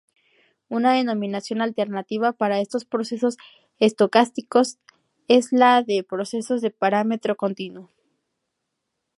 Una denominación alternativa para estos procesos estocásticos es la de procesos de parámetro continuo.